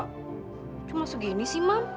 kok cuma segini sih mam